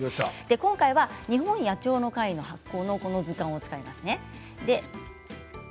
今回は日本野鳥の会発行のこの図鑑を使います。